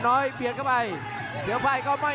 สะพายเปลี่ยนเข้ามายังจะเสียบซ้ายดึงขอบขวา